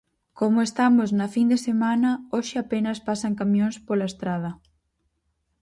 Como estamos na fin de semana, hoxe apenas pasan camións pola estrada.